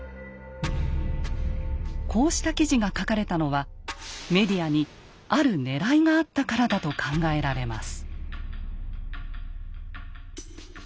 こうした記事が書かれたのはメディアにあるねらいがあったからだと考えられます。